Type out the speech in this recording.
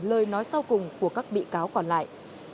lời nói sau cùng của các bị cáo còn lại